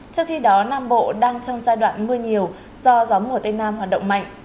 trong khi đó nam bộ đang trong giai đoạn mưa nhiều do gió mùa tây nam hoạt động mạnh